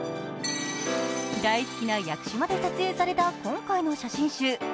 大好きな屋久島で撮影された今回の写真集。